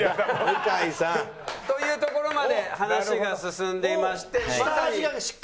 向井さん！というところまで話が進んでいましてまさに。